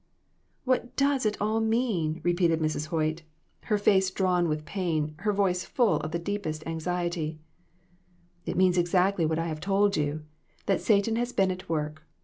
"What does it all mean?" repeated Mrs. Hoyt, 1 62 DON'T REPEAT IT. her face drawn with pain, her voice full of the deepest anxiety. "It means exactly what I have told you that Satan has been at work.